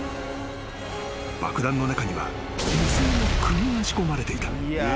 ［爆弾の中には無数の釘が仕込まれていた］